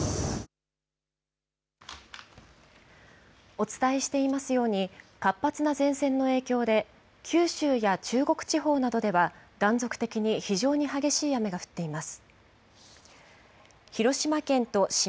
お伝えしていますように、活発な前線の影響で九州や中国地方などでは断続的に非常に激しい雨が降っています。